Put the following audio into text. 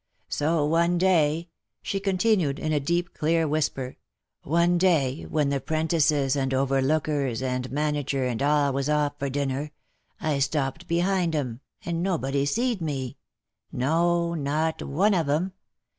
So one day," she continued, in a deep OF MICHAEL ARMSTRONG. 273 clear whisper, " one day when the 'prentices, and overlookers, and manager, and all was off for dinner, I stopped behind 'em, and no body seed me — no, not one of 'em.